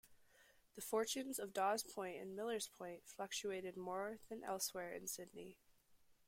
The fortunes of Dawes Point and Millers Point fluctuated more than elsewhere in Sydney.